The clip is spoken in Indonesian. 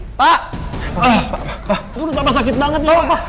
menurut papa sakit banget